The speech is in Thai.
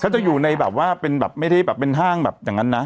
จะอยู่ในแบบว่าเป็นแบบไม่ได้แบบเป็นห้างแบบอย่างนั้นนะ